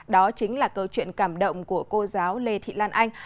đó chính là câu chuyện cảm động của cô giáo lê thị lan anh